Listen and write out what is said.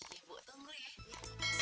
ih ibu tunggu ya